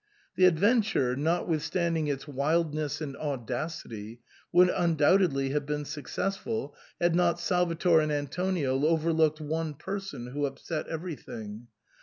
SIGNOR FORMICA. 127 The adventure, notwithstanding its wildness and au dacity, would undoubtedly have been successful, had not Salvator and Antonio overlooked one person, who upset everything.